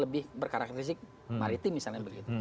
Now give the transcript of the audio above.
lebih berkarakteristik maritim misalnya